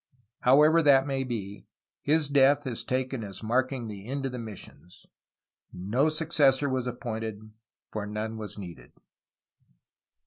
However that may be, his death is taken as mark ing the end of the missions. No successor was appointed, for none was needed.